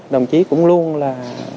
đồng chí cũng luôn là